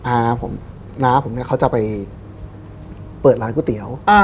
น้าผมเนี่ยเขาจะไปเปิดร้านก๋วยเตี๋ยวอ่า